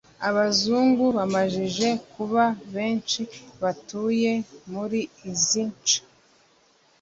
Abazungu bamajije kuba benshi batuye muri izi nshe